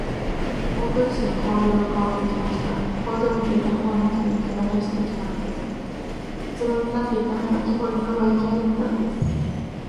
大鳥氏の顔色がかわってきました。青ざめていたほおに血の気がさしてきたのです。うつろになっていた目が、希望にかがやきはじめたのです。